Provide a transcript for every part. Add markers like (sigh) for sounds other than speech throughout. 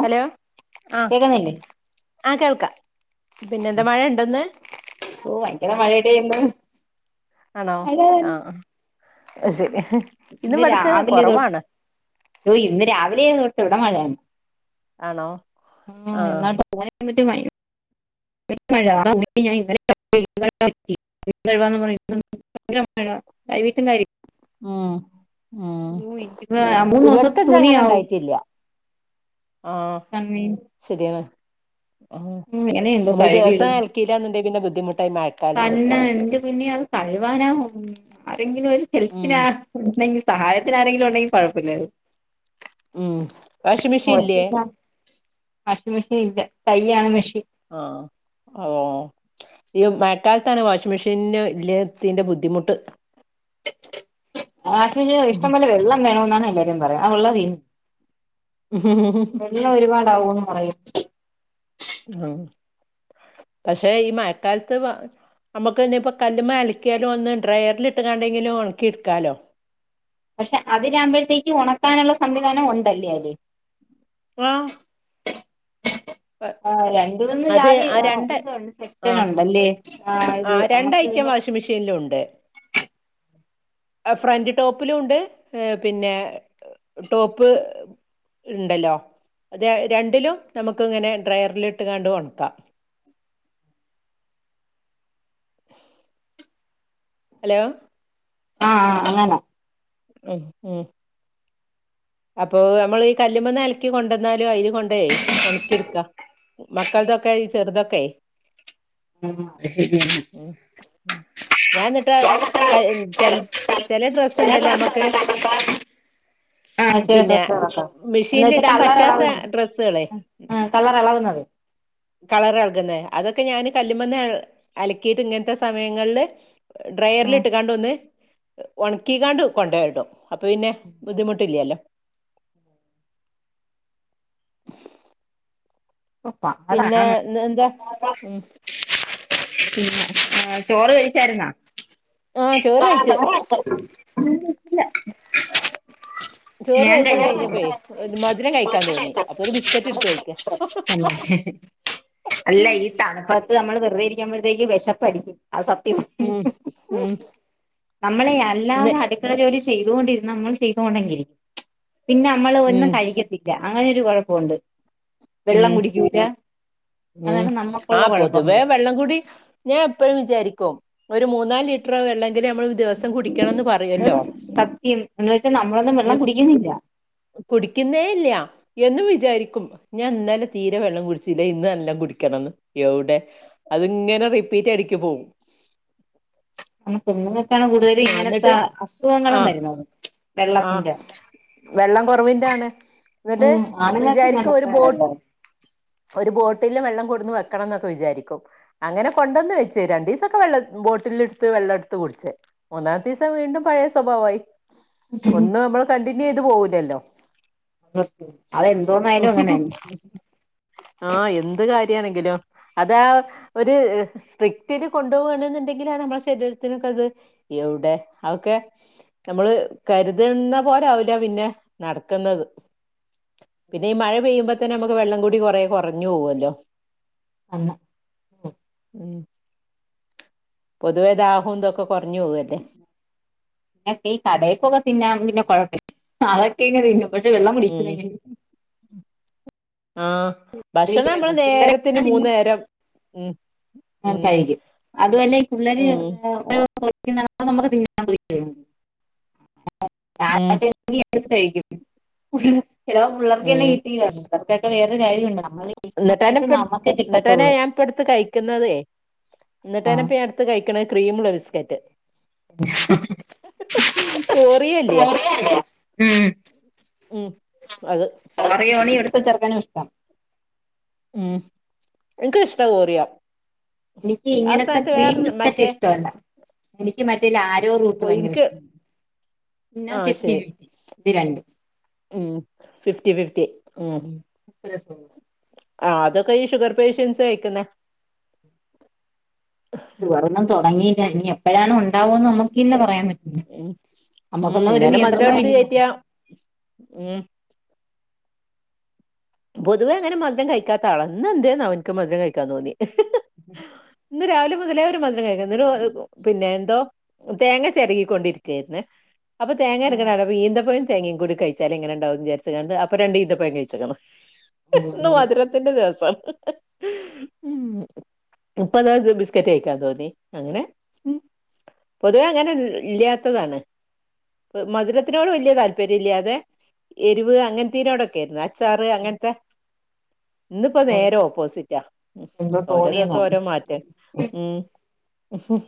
Hello ആഹ് കേക്കുന്നില്ലേ ആഹ് കേൾക്ക പിന്നെ എന്താ മഴണ്ടന്ന് ഓ ഭയങ്കര മഴലെന്ന് ആണോ (unintelligible) ആഹ് ശരി ഇന്ന് ഇവിടക്ക് രാവിലെ കുറവാണ് തൊ ഇന്ന് രാവിലെ തൊട്ട് ഇവടെ മഴയെ ആണോ ആഹ് (unintelligible) (unintelligible) ല്ല മഴ (unintelligible) ഉം ഉം (unintelligible) മൂന്നൊസത്തെ ഇവിടക്കന്ന് അങ്ങനെ ഉണ്ടായിട്ടില്ല തുണിയാവും ആഹ് (unintelligible) ശരിയാണ് ആഹ് ഇങ്ങനെ എന്തോ നമ്മള് ദെവസ കഴുകിയിടുന്നു അൽക്കില്ലന്നുണ്ടെങ്ക പിന്നെ ബുദ്ധിമുട്ടായി മയ (unintelligible) കഴുവാനാ ആരെങ്കിലും ഒരു ഉം ഹെൽപിനാ ഉണ്ടെങ്കിൽ സഹായത്തിന് ആരെങ്കിലും ഒണ്ടെങ്കിൽ കുഴപ്പല്ലേ രുന്നു ഉം വാഷിംഗ് (inaudible) മെഷീൻ ഇല്ലേ വാഷിംഗ് മെഷീൻ ഇല്ല കൈയ്യാണ് മെഷീൻ ആഹ് ആഹ് അയ്യൊ മഴക്കാലത്താണ് വാഷിംഗ് മെഷീന് ഇല്ലാത്തിന്റെ ബുദ്ധിമുട്ട് വാഷിങ്ങിന് ഇഷ്ടം പോലെ വെള്ളം വേണന്നാണ് എല്ലാരും പറയാ ആ വെള്ളവെ (unintelligible) (unintelligible) ഒരുപാടകൂന്ന് പറയും ആ പക്ഷെ ഈ മഴക്കാലത്ത് വ നമുക്ക് ഇന്നി ഇപ്പോ കല്ലുമേ അലക്കിയാലും ഒന്ന് ഡ്രയറിൽ ഇട്ട് കാണ്ടെങ്കിലും ഉണക്കി എടുക്കാലോ പക്ഷെ അതിലാമ്പഴത്തേക്ക് ഉണക്കാനുള്ള സംവിധാനം ഉണ്ടല്ലേ അയ്ല് വാ ആ രണ്ടു മുന്ന് അത് ജാതി ആ രണ്ട് ഇതുണ്ട് സെക്ഷട്ടൻ ഉണ്ടല്ലേ ആ ഇത് ആഹ് രണ്ട് നമ്മുക്ക് ഐറ്റം പിന്നെ വാഷ്മിഷയിനിലുണ്ട് ആ ഫ്രണ്ട് ടോപ്പിലും ണ്ട് അ് പിന്നെ ടോപ്പ് ണ്ടല്ലോ തെ രണ്ടിലും നമുക്കിങ്ങനെ ഡ്രയറിലിട്ട് കണ്ട് ഉണക്കാ ഹലോ ആഹ് അങ്ങനെ ഉം ഉം അപ്പൊ നമ്മള് ഈ കല്ലുമ്മേന്ന് അലക്കി കൊണ്ടന്നാലും അയ്ല് കൊണ്ടെ ഉണക്കിടുക്കാ മക്കൾതൊക്കെ ചെറുതൊക്കെ ഉം അത് ശെരിയാണെ ഉം ഉം ഞാൻന്നട്ട് ച ചെലെ ചില ഡ്രസ്സ്ണ്ടല്ലേ ഞമ്മക്ക് ഡ്രസ്സുകളൊക്കെ ആ ചില പിന്നെ ഡ്രസ്സുകളൊക്കെ എന്ന് വെച്ചാ മിഷീനിലിടാൻ കളർ പറ്റാത്ത ഇളകുന്നത് ഡ്രെസ്സുകളെ ആ കളർ ഇളകുന്നത് കളറെളകുന്നെ അതൊക്കെ ഞാന് കല്ല്മന്ന് അലക്കിയിട്ട് ഇങ്ങനത്തെ സമയങ്ങളില് ഡ്രയറിൽ ആ ഇട്ട്കാണ്ട് ഒന്ന് ഉണക്കിക്കാണ്ട് കൊണ്ടയ്ടും അപ്പോപിന്നെ ബുദ്ധിമുട്ടില്ലല്ലോ പിന്നെ പ്പാടാണ് എന്താ ഉം പിന്നെ ചോറ് കഴിച്ചായിരുന്നോ ആ ചോറ് കഴിച്ചു (unintelligible) ചോറ് ഞാൻ കഴിച്ച് കഴി കഴിഞ്ഞപ്പോഴേ ഒരു മധുരം കഴിക്കാൻ തോന്നി അപ്പൊ ഒരു ബിസ്ക്കറ്റ് എടുത്ത് കഴിക്കാ (unintelligible) അല്ല (unintelligible) ട്ടാണ് ഇപ്പഴത്ത് നമ്മള് വെറുതെരിക്കുമ്പോഴത്തേക്ക് വിഷപ്പടിക്കും അ സത്യം ഉം ഉം നമ്മളെ അല്ലാതെ അടു ക്കള ജോലി ചെയ്തൊണ്ടിരുന്ന നമ്മൾ ചെയ്തൊണ്ടങ്ങിരിക്കും പിന്നെ മ്മള് ഉം ഒന്നും കഴിക്കത്തി ല്ല അങ്ങനൊരു കൊഴപ്പുണ്ട് ഉം ഉം അതാണ് ആ നമ്മുക്കുള്ള പൊതുവേ കുഴപ്പങ്ങള് വെള്ളം കുടി ഞാൻ എപ്പഴും വിചാരിക്കും ഒരു മൂന്നാല് ലി ത്ര വെള്ളെങ്കിലും നമ്മൾ ദിവസം കുടിക്കണംന്ന് അത് പറയല്ലോ സത്യം എന്ന് വെച്ചാൽ നമ്മളൊന്നും വെള്ളം കുടിക്കുന്നില്ല കുടിക്കുന്നേ ഇല്ല എന്നും വിചാരിക്കും ഞാൻ ഇന്നലെ തീരെ വെള്ളം കുടിച്ചില്ല ഇന്ന് നല്ലോം കുടിക്കണംന്ന് എവിടെ അത്ങ്ങനെ റിപ്പീറ്റ് അടിക്കും നമ്മൾ പെണ്ണ്ങ്ങൾക്കാണ് കൂടുതലും ആ എന്നിട്ട് ഇങ്ങനത്തെ ആ അസുഖങ്ങളും വരുന്നത് ആ വെള്ളത്തിന്റെ വെള്ളം കുറവിന്റൊണ് എന്നിട്ട് ഉം ആണുങ്ങൾക്ക് വിചാരിക്കും ഒരു ഇങ്ങനത്തെ ബോട്ട് ഒരു ബോട്ടിലിൽ വെള്ളം കൊടുന്ന് വെക്കണം ന്നൊക്കെ വിചാരിക്കും അങ്ങനെ കൊണ്ടന്ന് വെച്ച് രണ്ടീസൊക്കെ വെള്ള ബോട്ടിലെടുത്ത് വെള്ളടുത്ത് കുടിച്ച് മൂന്നാമത്തീസം വീണ്ടും പഴയ സ്വഭാവായി ഒന്നും നമ്മള് കണ്ടിന്യൂ ചെയ്ത് പോകൂലല്ലോ അതെന്തോന്നായാലും അങ്ങനെന്നെ ആഹ് എന്ത് കാര്യാണെങ്കിലും അതാ ഒരു സ്ട്രിക്റ്റ്ൽ കൊണ്ടുപോകാണെന്നുണ്ടെങ്കിലാണ് നമ്മളുടെ ശരീരത്തിനൊക്കെ അത് എവിടെ അതൊക്കെ നമ്മള് കരുതുന്ന പോലെ ആവില്ല പിന്നെ നടക്കുന്നത് പിന്നെ ഈ മഴ പെയ്യുമ്പോ തന്നെ നമുക്ക് വെള്ളം കൂടി കൊറേ കുറഞ്ഞു പോകുമല്ലോ എന്ന് (unintelligible) പൊതുവേ ദാഹം ഇതൊക്കെ കുറഞ്ഞു പോകും അല്ലേ ഇ ഈ കടയിക്കൊക്കെ തിന്നാൻ പിന്നെ കടയപ്പം തിന്ന കുഴപ്പില്ല അതൊക്കെ ഇങ്ങനെ തിന്നും പക്ഷെ വെള്ളം കുടിക്കലില്ല ആ ഭക്ഷണം നമ്മള് നേരത്തിന് പിള്ളേരൊക്കെ മൂന്നു തിന്നും നേരം ഉം ഉം കഴിക്കും ബ- അതുല്ലേ ഈ പിള്ളര് ഉം നമുക്ക്തി (unintelligible) (unintelligible) ഉം കഴിക്കും ചിലപ്പോ പിള്ളർക്ക് തന്നെ ഉം കിട്ടിയില്ല (unintelligible) പിള്ളർക്കന്നെ കിട്ടിയില്ല (unintelligible) വേറൊ കാര്യുണ്ട് നമ്മൾ ഈ എന്നിട്ടന്നെ സമയത്ത് ഇപ്പ എടു- നമുക്ക് എന്നിട്ടന്നെ കിട്ടത്തുള്ളൂ ഞാൻ ഇപ്പ അടുത്ത് കഴിക്കുന്നതേ- എന്നിട്ട ആഹ് തന്നെ അടുത്ത് കഴിക്കണ ക്രീമുള്ള ബിസ്കറ്റ് ഹ് ഹ്ഹ് ഒറിയോ ഇല്ലേ ഓറിയോല്ലേ ഉം ഉം അത് (unintelligible) എടുത്ത ചെറുക്കനും ഇഷ്ടാ ഉം എൻക്ക് ഇഷ്ടാ ഓറിയ എനിക്ക് ഇങ്ങനത്തെ ക്രീം ബിസ്ക്കറ്റ് മറ്റേ ഇഷ്ടല്ല- എനിക്ക് മറ്റേ ലാലോ രോറൂട്ട് പൊ- ഭയങ്കര എനിക്ക് ഇഷ്ട പിന്നെ ആഹ് ഫിഫ്റ്റി ഇത് രണ്ട് ഹ്മ്മ്- ഫിഫ്റ്റി ഫിഫ്റ്റി ഉം (inaudible) ആഹ്- അതൊക്കെ ഈ ഷുഗർ പേഷ്യൻസ് കഴിക്കുന്ന ഉറങ്ങാൻ തുടങ്ങിയില്ല ഇനി എപ്പോഴാണ് ഓൻ ഉണ്ടാവന്ന് നമുക്കിന്നെ പറയാൻ പറ്റില്ല- ഉം നമ്മുക്കൊന്നും ഒരു നിയന്ത്രണം ഇല്ല -ഹ്മ്മ് പൊതുവെ അങ്ങനെ മധുരം കഴിക്കാത്ത ആളാ ഇന്ന് എന്തന്നാവം എനിക്ക് മധുരം കഴിക്കാൻ തോന്നി ഹ്ഹ് ഹ് (inaudible) ഇന്ന് രാവിലെ മുതലേ ഒരു മധുരം കഴിക്ക ന്നട്ട് പിന്നെ എന്തോ തേങ്ങ ചിരങ്ങിക്കൊണ്ടിരിക്കായിരുന്ന് അപ്പൊ തേങ്ങ ഇങ്ങനെ കണ്ടപ്പോ ഈന്തപ്പഴം തേങ്ങയും കൂടി കഴിച്ചാൽ എങ്ങനെണ്ടുവുമെന്ന് വിചാരിച് കാണ്ട് അപ്പ രണ്ട് ഇന്തപ്പഴം കഴിച്ചക്ണ് ഉം ഇന്ന് മധുരത്തിന്റെ ദിവസാണ് ഹ്മ്മ്ഹ്ഹ് മ് ഇപ്പൊ താ ബിസ്കറ്റ് കഴക്കാൻ തോന്നി അങ്ങനെ പൊതുവേ അങ്ങനെ ഇല്ലാത്തതാണ് മധുരത്തിനോട് വലിയ താല്പര്യം ഇല്ലാതെ- എരിവ് അങ്ങനത്തനോടൊക്കെ ആരുന്നു അച്ചാറ് അങ്ങനത്തെ ഇന്നിപ്പോ അങ്ങനെ നേര ഓപ്പോസിറ്റാ- എന്തോ ഓരോ തോന്നിയതാ ദിവസം ഓരോ മാറ്റം മ്മ് ഹ്മ്ഹ്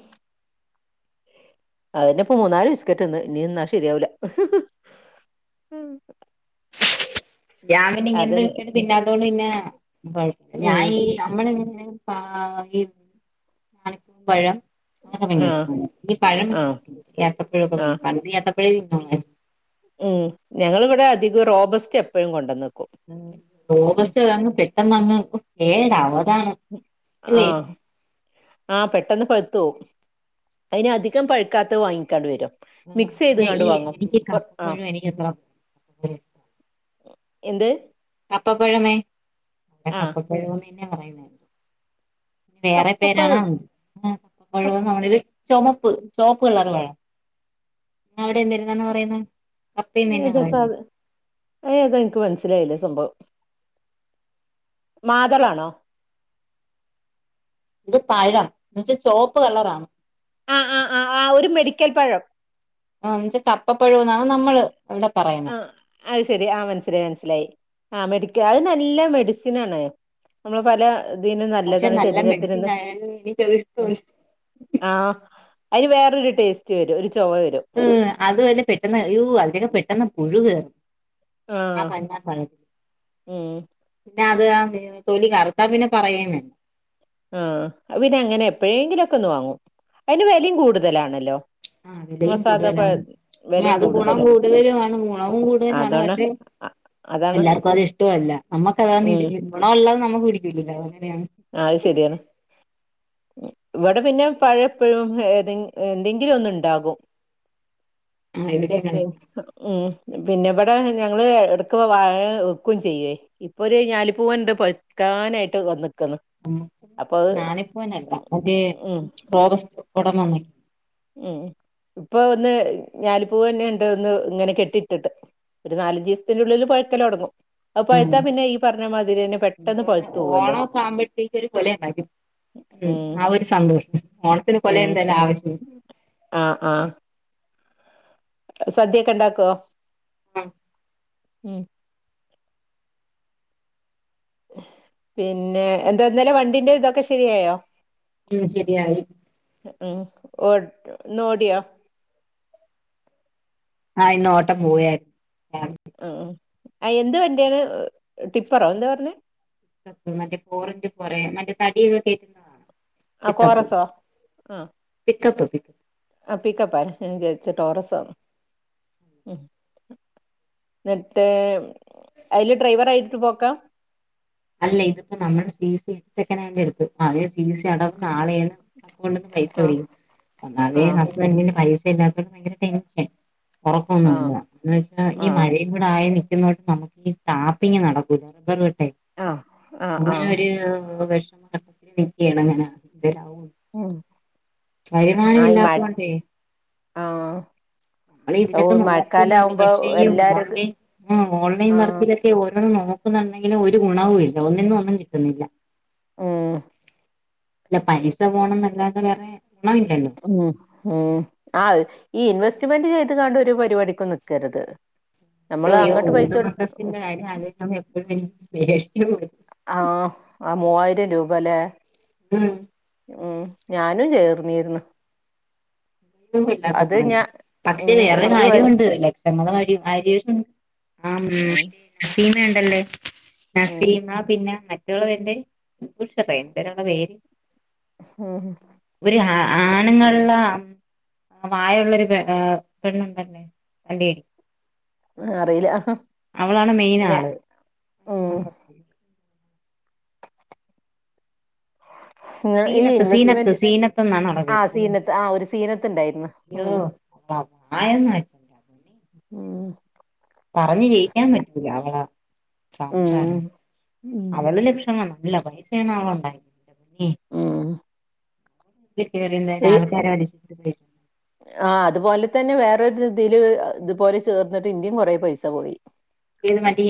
അതന്നെ ഇപ്പൊ മൂന്നാല് ബിസ്കറ്റ് തിന്ന് ഇനി തിന്നാൽ ശരിയാവില്ല മ് ഞാൻ പിന്നെ അതന്നെ ഇങ്ങനത്തെ തിന്നാത്ത (unintelligible) പിന്നെഴ ഞാൻ ഉം (unintelligible) നമ്മളിങ്ങനെ പ ഈ പഴം അങ്ങന ആഹ് പേര്ഈ ആഹ് ആഹ് പഴഏത്തപ്പഴൊക്കെഴ ഏത്തപ്പഴ (unintelligible) ഉം- ഞങ്ങളിവിടെ അധികം റോബസ്റ്റ് എപ്പോഴും കൊണ്ടന്നക്കും ഉം റോബെസ്ററ് വാങ്ങും പെട്ടെന്ന് അങ്ങ് കേടാവും അതാണ് അല്ലേ ആഹ് ആ പെട്ടെന്ന് പഴുത്ത് പോവും- അതിന് അധികം പഴുക്കാത്തത് വാങ്ങി കാണ്ട് വരും ആ മിക്സ് പിന്നെ ചെയ്ത്ങ്ങാണ്ട് ഈ വാങ്ങും എനിക്ക് കൊ എപ്പോ (unintelligible) ആഹ് ഴും എനിക്ക് എത്ര -എന്ത് കപ്പപ്പഴമേ- ഇവിടെ ആഹ് കപ്പപ്പഴംന്ന്ന്നെ പറയുന്നേ വേറെ പേരാണോ കപ്പപ്പഴം എന്തോ കപ്പ് നമ്മളരു ചുമപ്പ് ചുവപ്പ് കള്ളർ പഴം പിന്നെ അവിടെ എന്തിരുന്നെന്ന് പറയുന്നെ കപ്പേന്ന് തന്നെയാ ഏതാ പറയുന്നത് സാദ് അത് ഏതാ എനിക്ക് മനസ്സിലായില്ല സംഭവം മാതളാണോ? ഇത് പഴം എന്നുവെച്ചാ ചോപ്പ് കളറാണ്. ആഹ് ആഹ് ആഹ് ആ ഒരു മെഡിക്കൽ പഴം ആഹ് ഉംജ് കപ്പപ്പഴോന്നാണ് നമ്മള് ഇവിടെ പറയുന്നെ ആഹ് അത് ശെരി ആ മനസ്സിലായി മനസ്സിലായി ആ മെഡിക്കൽ അത് നല്ല മെഡിസിൻ ആണ് നമ്മള് പല ഇതിനും പക്ഷെ നല്ലതാണ് നല്ല മെഡിസിൻ ശരീരത്തിന്ന്ന് ആയാലും എനിക്കത് ഉം ഇഷ്ടമല്ല ആഹ് അതിന് വേറൊരു ടേസ്റ്റ് വരും ഒരു ചൊവ വരും ത് അതുഅല്ല പെട്ടെന്ന് അയ്യോ അതിലൊക്കെ പെട്ടെന്ന് പുഴു കേറും ആഹ് പഞ്ഞാ പഴം ഉം പിന്ന അത് ആത് തൊലി കറുത്താ പിന്നെ പറയും വേണ്ട ആഹ് അത്‌ പിന്നെ അങ്ങനെഎപ്പോഴെങ്കിലുയൊക്കെ ഒന്ന് വാങ്ങും അതിന് വിലയും കൂടുതലാണല്ലോ ആഹ് വിലയും നമ്മളെ സാധാ പഴ കൂടുതലാണ്. ഇനി വെലയും അത് ഗുണം കൂടുതലാ കൂടുതലും ആണ് ഗുണവും കൂടുതലാണ് അതാണ് പക്ഷെ അ- അതാണ് എല്ലാർക്കും അത് ഇഷ്ടല്ല നമ്മുക്ക അതാ ഉം ഗുണം അല്ലാതെ നമുക്ക് പിടിക്കില്ലല്ലോ അങ്ങനെയാണ് ആഹ് അത് ശരിയാണ് ഇവിടെ പിന്നെ പഴം എപ്പോഴും ഏതെങ്ക് എന്തെങ്കിലും ഒന്ന് ഇണ്ടാകും ആഹ് ഇവിടെയും പി അങ്ങനെ ഉം പിന്നെ ഇവിടെ ഞങ്ങൾ ഇടക്ക് വാഴ വെക്കയും ചെയ്യേ ഇപ്പൊ ഒരു ഞാലിപൂവൻണ്ട് പഴുക്കാൻആയിട്ട് വന്നന്ന്ക്ക്ന്ന്. ഞാളിപ്പൂവൻ അല്ല ഒര് ഉം റോബസ് ഉടം വന്നെ ഉം ഇപ്പൊ ഒന്ന് ഞാലിപൂവൻ ഒന്ന് ഇങ്ങനെ കെട്ടിയിട്ട് ഒരു നാലഞ്ചസ്ത്തിനുള്ളില് പഴുക്കല് തുടങ്ങും അപ്പൊ ഉം പഴുത്താ പിന്നെ ഈ പറഞ്ഞമാതിരി തന്നെ എനിക്ക് പെട്ടെന്ന് പഴുത്തു തോന്നുന്നു പോവല്ലോ ഓണമൊക്കെ ആവുമ്പോഴത്തേക്ക് ഒരു കൊല ഉണ്ടാക്കും ഉം ആ ഒരു സംന്തോഷം ഓണത്തിന് കൊല ഉം എന്തല്ല ആവശ്യം ആഹ് ആഹ് സദ്യയൊക്കെ ഇണ്ടാക്കോ? ആ ഉം പിന്നെ എന്താ ഇന്നലെ വണ്ടിന്റെ ഇതൊക്കെ ശരിയായോ? ഉം ശരിയായി ഉം ഓട് ഇന്ന് ഓഡിയോ ആഹ് ഇന്ന് ഓട്ടം പോയരുന്നു (unintelligible) ആഹ് ആഹ് അത് എന്ത് വണ്ടിയാണ് ടിപ്പറോ എന്താ പറഞ്ഞേ മറ്റേ പോറിട്ടിപ്പറേ മറ്റേ (unintelligible) കേറ്റുന്ന ആഹ് പിക്കപ്പ്‌ കോറസോ ആഹ് പിക്കപ്പ പി ആഹ് പിക്കപ്പാലൊ ഞാൻ ജയിച്ച വിജാരിച്ച ട്ടോറസാന്ന് ഉം എന്നിട്ട് അതിൽ ഡ്രൈവർ ആയിട്ട് പോക്കാ അല്ല ഇതിപ്പോ നമ്മള് സി സി സെക്കൻ് ഹാൻഡ് എടുത്തു അവര് സി സി അടവ് നാളെയാണ് അതുകൊണ്ട് പൈസ ആഹ് പിടിക്കും. ഒന്നാതെ ആഹ് ഹസ്ബന്റിന് പൈസ ഇല്ലാ ത്തെ ഭയങ്കര ടെൻഷൻ ആഹ് ഉറക്കൊന്നുല്ല എന്നുവെച്ചാ ഈ ആഹ് മഴയ ഇവിടെ ആയി നിൽക്കുന്നോട്ടും നമുക്ക് ഈ ടാപ്പിങ്ങ് നടക്കൂല റബ്ബറ് വെട്ടേ ആഹ് ആഹ് അങ്ങനെ ആഹ് ഒരു (unintelligible) ഇരിക്ക്യാണ് അങ്ങനെ എന്തേലും ആവോന്ന് ഹും വരുമാനം ഇല്ലാത്തോണ്ടേ ആഹ് നമ്മൾ ഇതിലൊക്കെ ഓഹ് മഴക്കാലം നോക്കുന്നുണ്ട് ആവുമ്പോ പക്ഷേ ഈ എല്ലാര്ക്കും ഓൺലൈൻ ഓൺലൈൻ ആഹ് വർക്കില് റ്റ് ഓരോന്നും നോക്കുന്നുണ്ടെങ്കിലും ഒരു ഗുണവൂ ഇല്ല ഒന്നിന്നും ഒന്നും കിട്ടുന്നില്ല (unintelligible) ഇല്ല പലിസ പോണം എന്നല്ലാതെ വേറെ (unintelligible) ഇല്ലല്ലോ ഉം ഉം ആഹ് ഈ ഇൻവെസ്റ്റ്മെന്റ് ചെയ്ത് കാണ്ട് ഒരു പരിപാടിക്കും നിക്കരുത്. നമ്മള് അയ്യോ.. അങ്ങട്ട് പൈസ ഊദ് കൊടു മർക്കസിന്റെ കാര്യം ആലോചിക്കുമ്പോ എപ്പോഴും എനിക്ക് പേടിയാ ആഹ് ആ മൂവായിരം രൂപാലെ ഉം ഉം ഞാനും ചേർന്നിര്ന്ന് ഞാൻ (unintelligible) പക്ഷെ ഉം വേറെ അത് ഭയ കാര്യമുണ്ട്.. ലക്ഷങ്ങള (unintelligible) ആഹും ഉം നസീമ ഇണ്ടല്ലേ ഉം നസീമ പിന്നെ (unintelligible) ആഹ് ആഹ് ഒരു ആണുങ്ങൾള്ള ആ പ്രായുള്ളൊരു പെ പെണ്ണുണ്ടല്ലോ (unintelligible) അറിയില്ല അവളാണ് മെയിൻ ഞാ ആള് ഉം ഇങ്ങ ഈ സീനത്ത് സീനത്ത് ഇൻവെസ്റ്റ്മെന്റ് സീനത്തന്നാണ് ഓളെ ആ പെര് സീനത്ത് ആ ഒരു സീനത്ത്ണ്ടായിരുന്നു ഉം (unintelligible) ഉം പറഞ്ഞ് ജയിക്കാൻ പറ്റൂല അവള സംസാരം ഉം ഉം അവടെ ലക്ഷങ്ങൾ... നല്ല പൈസ അവള് ഉണ്ടാക്കി ഉം ഈ (unintelligible) ആ അതുപോലെ തന്നെ വേറൊരു ഇതില് ഇതുപോലെ ചേർന്നിട്ട് ഇന്റി കൊറെ പൈസ പോയി ഏത് മറ്റേ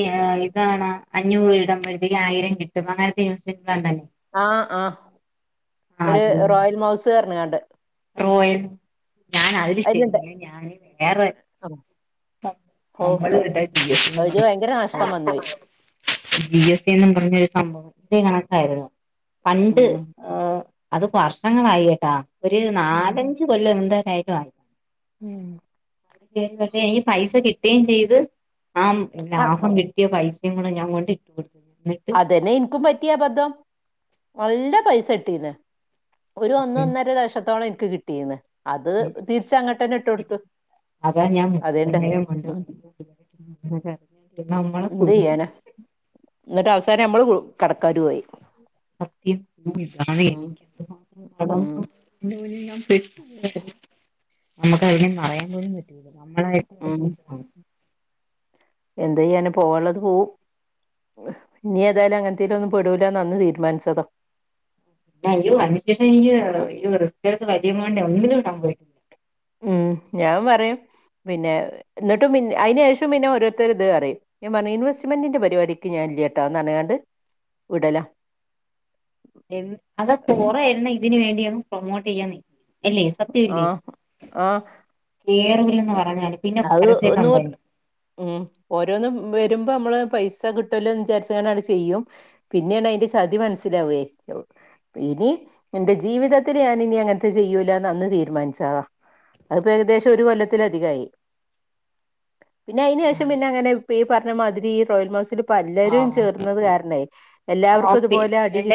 ഇതാണോ.. അഞ്ഞൂറ് ഇടുമ്പഴത്തേക്ക് ആയിരം കിട്ടും അങ്ങനത്തെ (unintelligible) ആഹ്.. ആഹ്.. ആ ഒരു അത് റോയൽ മൗസ് പറഞ്കാണ്ട് റോയൽ ഞാൻ അതില് അതിലുണ്ട് ചേർന്നില്ല ഞാന് വേറെ (unintelligible) ഓ (unintelligible) അതില് ഭയങ്കര നഷ്ടം വന്നോയി ജി എസ് ന്ന് പറഞ്ഞൊരു സംഭവം ഇതേ കണക്കായിരുന്നു പണ്ട് ഏ.. ഉം അത് വർഷങ്ങളായി കേട്ടാ... ഒരു ഉം നാലഞ്ചു കൊല്ലം എന്തരായിട്ടും ആയി ഉം പക്ഷെ എനിക്ക് പൈസ കിട്ടുകയും ചെയ്ത് ആ ആ ലാഭം കിട്ട കിട്ടിയ പൈസയും കൂടെ ഞാൻ കൊണ്ട് കൊടുത്തു എന്നിട്ട് അതെന്നെ ഇൻക്കും പറ്റിയബദ്ധം നല്ല പൈസ കിട്ടീന്ന് ഒരു സത്യം ഒന്നൊന്നര ലക്ഷത്തോളം എനിക്ക് കിട്ടീന്ന് അത് തിരിച്ചങ്ങട്ടന്നെ ഇട്ട് കൊടുത്തു അതാ ഞാൻ അതേണ്ട് മുപ്പതിനായിരം കൊണ്ടു ഉം (unintelligible) നമ്മളെ ന്നിട്ട് അവസാനം നമ്മൾ കടക്കാരും ആയി സത്യം... ഓ ഇതു കാരണം ഉം എനിക്ക് എന്ത് മാത്രം കടം ഉം പെട്ട് പോയതാ.. നമുക്ക് അതിനെ പറയാൻ പോലും പറ്റില്ല നമ്മളായിട്ട് (unintelligible) എന്താ ചെയ്യാന പോവാനുള്ളത് പോവും ഇനി എതായാലും അങ്ങനത്തേലൊന്നും പെടൂലാന്ന് അന്ന് തീരുമാനിച്ചത അതിന് ശേഷം റിസ്കടുത്തു വലിയ എമൗണ്ട് ഒന്നിലും ഇടാൻ പോയി ഉം ഞാൻ പറയും പിന്നെ ന്നിട്ട് അയിന് ശേഷം പിന്നെ ഓരോരുത്തര് ഇത് പറയും ഞാൻ പറഞ്ഞ ഇൻവെസ്റ്റ്മെന്റിന്റെ പരിപാടിക്ക് ഞാൻ ഇല്ലാട്ടന്ന് പറഞ്ഞ്ങ്ങാണ്ട് ഞാൻ വിടലാ അതൊ കുറെ എണ്ണം ഇതിന് വേണ്ടിയങ് പ്രൊമോട്ട് ചെയ്യാൻ നിക്കു അല്ലേ സത്യല്ലേ ആഹ് ആഹ് കേറൂലന്ന് പറഞ്ഞാല് പിന്നെ അത് പരസ്യ നൂറ് കമ്പനി ഉം ഓരോന്ന് വരുമ്പോ നമ്മള് പൈസ കിട്ടുവല്ലോന്ന് വിചാരിചാണ്ട് അങ്ങട് ചെയ്യും പിന്നെയാണ് അതിന്റെ ചതി മനസ്സിലാവേ ഇനി എന്റെ ജീവിതത്തില് ഞാൻ ഇനി അങ്ങനത്തെ ചെയ്യൂലാന്ന് അന്ന് തീരുമാനിച്ചതാ അതിപ്പോ ഏകദേശം ഒരു കൊല്ലത്തിലധികായി പിന്നെ അയിനു ശേഷം പിന്നങ്ങനെ ഈ പറഞ്ഞ മാതിരി റോയൽമൗസിൽ ആ പലരും ആ ചേർന്നത് കാരണനെ എല്ലാവർക്കും ഓക്കെ ഇതുപോലെ അടികി എന്റെ